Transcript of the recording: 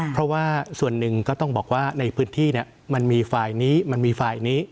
เพราะว่าส่วนหนึ่งก็ต้องบอกว่าในพื้นที่มันมีฝ่ายนี้มันมีฝ่ายนี้